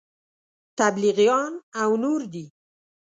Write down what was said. تبلیغیان او نور دي.